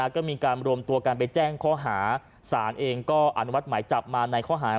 ก็มีการรวมตัวกันไปแจ้งข้อหาสารเองก็อนุมัติหมายจับมาในข้อหาร